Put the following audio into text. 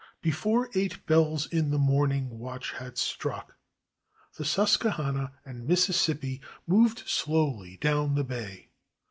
Before eight bells in the morning watch had struck, the Susquehanna and Mississippi moved slowly down the bay.